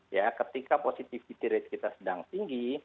ya ketika positivity rate kita sedang tinggi